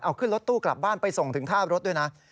เอาขึ้นรถตู้กลับบ้านไปส่งถึงท่ารถด้วยนะ